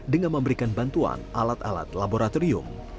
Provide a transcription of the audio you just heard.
dengan memberikan bantuan alat alat laboratorium